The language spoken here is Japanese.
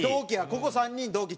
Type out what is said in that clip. ここ３人同期。